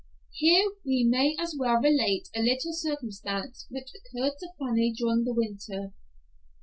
Here we may as well relate a little circumstance which occurred to Fanny during the winter.